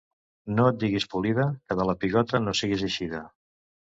No et diguis polida que de la pigota no siguis eixida.